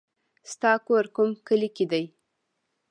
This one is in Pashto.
ستا کور کوم کلي کې دی